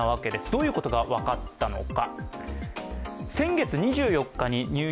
どういうことが分かったのか。